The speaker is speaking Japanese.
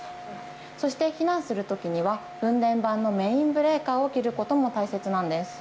そして避難するときには分電盤のメインブレーカーを切ることも大切なんです。